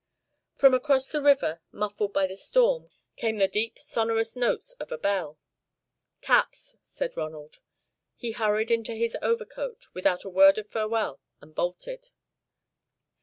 From across the river, muffled by the storm, came the deep, sonorous notes of a bell. "Taps," said Ronald. He hurried into his overcoat, without a word of farewell, and bolted.